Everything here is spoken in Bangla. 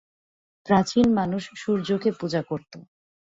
প্রাচীন মানুষ সূর্যকে পূজা করত।